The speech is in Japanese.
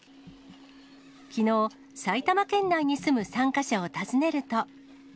きのう、埼玉県内に住む参加者を訪ねると。